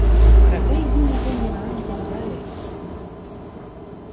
Арака изин-изин мемнам темдале.